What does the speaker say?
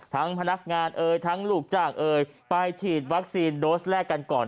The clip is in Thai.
พนักงานเอ่ยทั้งลูกจ้างเอ่ยไปฉีดวัคซีนโดสแรกกันก่อน